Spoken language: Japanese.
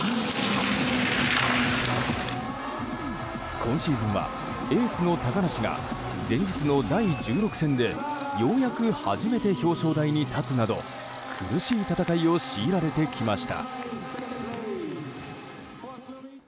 今シーズンはエースの高梨が前日の第１６戦でようやく初めて表彰台に立つなど苦しい戦いを強いられてきました。